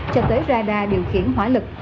cho tới radar điều khiển hỏa lực